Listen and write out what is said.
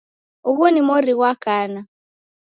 Ughu ni mori ghwa kana